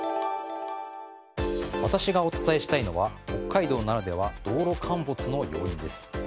私がお伝えしたいのは北海道ならでは道路陥没の要因です。